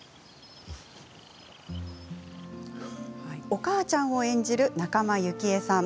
お母ちゃんを演じる仲間由紀恵さん。